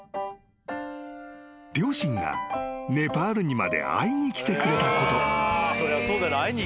［両親がネパールにまで会いに来てくれたこと］